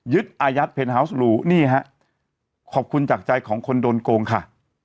อายัดเพนฮาวส์ลูนี่ฮะขอบคุณจากใจของคนโดนโกงค่ะ